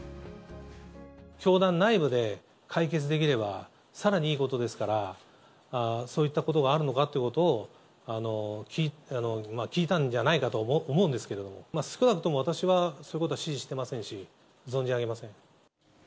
教団内部で解決できればさらにいいことですから、そういったことがあるのかということを、聞いたんじゃないかと思うんですけども、少なくとも私は、そういうことは指示してませんし、存じ上げません。